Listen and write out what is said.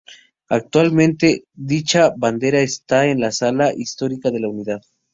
Actualmente, dicha bandera está en la sala histórica de la unidad.